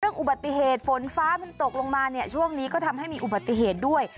อุบัติเหตุฝนฟ้ามันตกลงมาเนี่ยช่วงนี้ก็ทำให้มีอุบัติเหตุด้วย